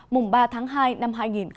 mùng ba tháng hai năm hai nghìn hai mươi